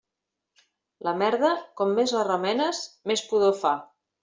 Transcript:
La merda, com més la remenes, més pudor fa.